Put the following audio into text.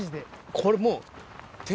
これもう。